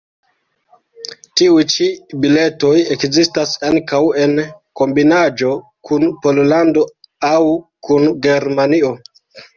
Tiuj ĉi biletoj ekzistas ankaŭ en kombinaĵo kun Pollando aŭ kun Germanio.